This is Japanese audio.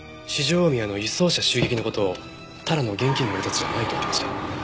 大宮の輸送車襲撃の事をただの現金強奪じゃないと言っていました。